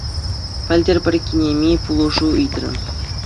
Пӗлтӗр пӗр кинеми пулӑшу ыйтрӗ.